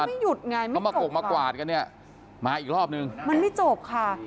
มันไม่หยุดไงไม่จบมากวาดกันเนี้ยมาอีกรอบหนึ่งมันไม่จบค่ะ